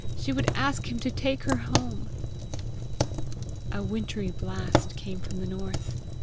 She would ask him to take her home! A wintery blast came from the north.